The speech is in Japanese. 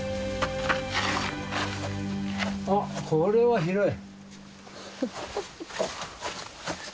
あっこれは広い。